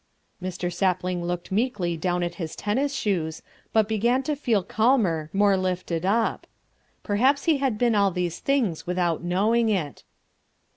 Mr. Sapling looked meekly down at his tennis shoes, but began to feel calmer, more lifted up. Perhaps he had been all these things without knowing it.